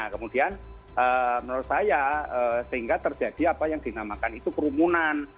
kemudian menurut saya sehingga terjadi apa yang dinamakan itu kerumunan